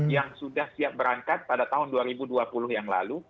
yang sudah siap berangkat pada tahun dua ribu dua puluh yang lalu